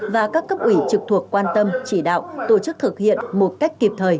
và các cấp ủy trực thuộc quan tâm chỉ đạo tổ chức thực hiện một cách kịp thời